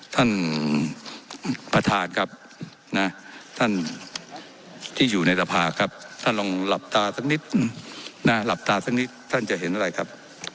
ท่านประธานครับนะท่านที่อยู่ในสภาครับท่านลองหลับตาสักนิดหน้าหลับตาสักนิดท่านจะเห็นอะไรครับ